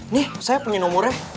nih saya pengen nomornya